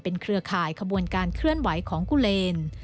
เครือข่ายขบวนการเคลื่อนไหวของกุเลน